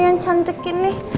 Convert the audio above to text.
yang cantik ini